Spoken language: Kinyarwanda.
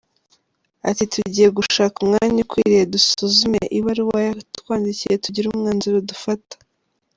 Ati “Tugiye gushaka umwanya ukwiriye dusuzume ibaruwa yatwandikiye tugire umwanzuro dufata.”